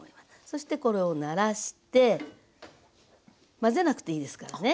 そしてこれをならして混ぜなくていいですからね。